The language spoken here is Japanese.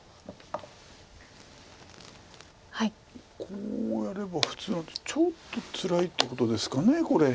こうやれば普通ちょっとつらいってことですかこれ。